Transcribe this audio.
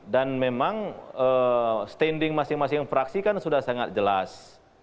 dan memang standing masing masing fraksi kan sudah sangat jelas